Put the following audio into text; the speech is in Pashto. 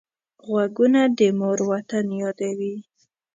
غوږونه د مور وطن یادوي